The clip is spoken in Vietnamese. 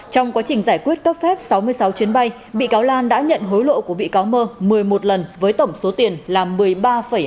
trong quá trình giải quyết cấp phép sáu mươi sáu chuyến bay bị cáo lan đã nhận hối lộ của bị cáo mơ một mươi một lần với tổng số tiền là một mươi ba bảy